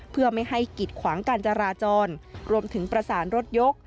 เพื่อไม่ให้กิดขวางการจราจรรวมถึงประสานรถยก